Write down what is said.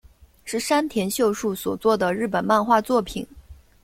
是山田秀树所作的日本漫画作品。